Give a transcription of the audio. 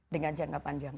dengan jangka panjang